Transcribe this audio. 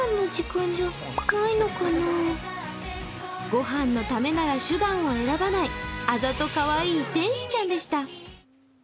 ご飯のためなら手段を選ばないあざとかわいい天使ちゃんでした。